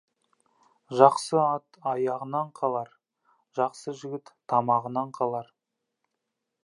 Жақсы ат аяғынан қалар, жақсы жігіт тамағынан қалар.